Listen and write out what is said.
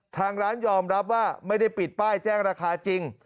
ทางร้านยอมรับว่าไม่ได้ปิดป้ายแจ้งราคาจริง